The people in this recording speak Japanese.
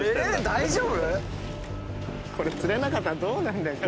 「大丈夫⁉」「釣れなかったらどうなるんだよ」